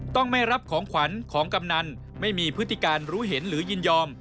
ต้องไม่รับของขวัญของกำนันไม่มีพฤติการรู้เห็นหรือยินยอม